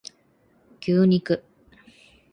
牛肉